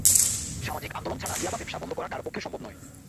সামাজিক আন্দোলন ছাড়া ইয়াবা ব্যবসা বন্ধ করা কারও পক্ষে সম্ভব নয়।